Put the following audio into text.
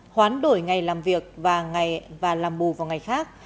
hoán đổi ngày làm việc và làm mù vào ngày khác